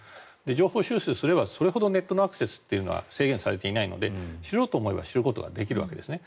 情報収集すればそれほどネットのアクセスというのは制限されていないので知ろうと思えば知れるわけですね。